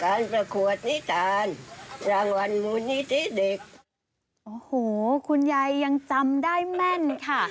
โอ้โหคุณยายยังจำได้แม่นค่ะ